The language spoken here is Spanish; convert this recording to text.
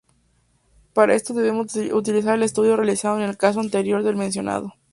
Para esto debemos utilizar el estudio realizado en el caso anterior del mencionado.